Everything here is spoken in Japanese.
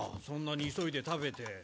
そんなに急いで食べて。